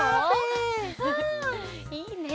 いいね！